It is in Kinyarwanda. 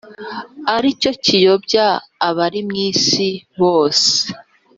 ari cyo kiyobya abari mu isi bose.